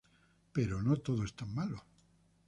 Pero no todo es tan malo.